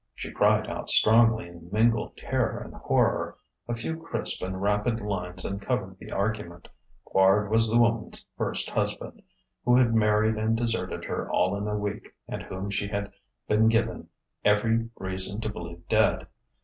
She cried out strongly in mingled terror and horror. A few crisp and rapid lines uncovered the argument: Quard was the woman's first husband, who had married and deserted her all in a week and whom she had been given every reason to believe dead.